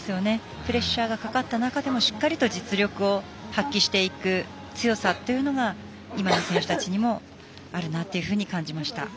プレッシャーがかかった中でもしっかりと実力を発揮していく強さというのが今の選手たちにもあるなというふうに感じました。